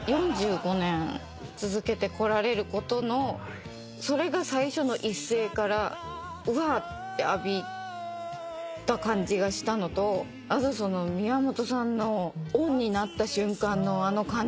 ４５年続けてこられることのそれが最初の一声からうわあって浴びた感じがしたのとあとその宮本さんのオンになった瞬間のあの感じとか。